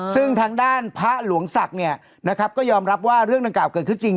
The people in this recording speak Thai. ซึ่งทางด้านพระหลวงศักดิ์เนี่ยนะครับก็ยอมรับว่าเรื่องดังกล่าเกิดขึ้นจริง